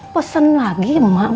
pesen lagi emak